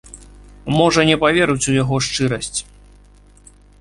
Можа, не паверыць у яго шчырасць.